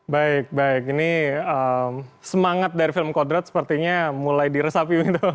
baik baik ini semangat dari film kodrat sepertinya mulai diresapi